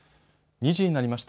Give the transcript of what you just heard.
２時になりました。